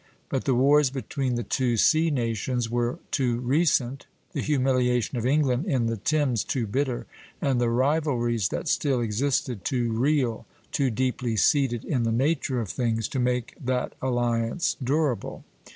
But the wars between the two sea nations were too recent, the humiliation of England in the Thames too bitter, and the rivalries that still existed too real, too deeply seated in the nature of things, to make that alliance durable.